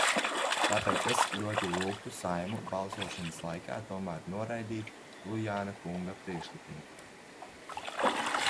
Tāpēc es ļoti lūgtu Saeimu balsošanas laikā tomēr noraidīt Lujāna kunga priekšlikumu.